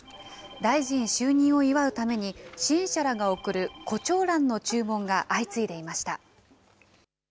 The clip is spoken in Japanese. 大臣就任を祝うために、支援者らが贈るこちょうらんの注文が相次いでいました。